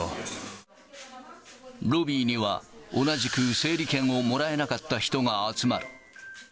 ロビーには、同じく整理券をもらえなかった人が集まる。